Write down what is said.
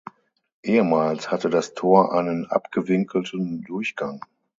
Ehemals hatte das Tor einen abgewinkelten Durchgang.